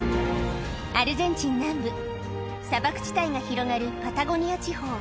アルゼンチン南部、砂漠地帯が広がるパタゴニア地方。